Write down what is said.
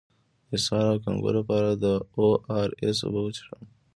د اسهال او کانګو لپاره د او ار اس اوبه وڅښئ